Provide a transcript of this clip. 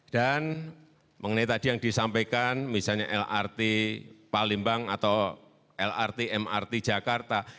dan mengenai tadi yang disampaikan misalnya lrt palembang atau lrt mrt jakarta